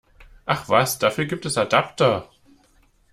Ach was, dafür gibt es Adapter!